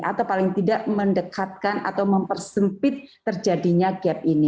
atau paling tidak mendekatkan atau mempersempit terjadinya gap ini